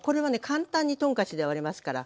簡単にトンカチで割れますから。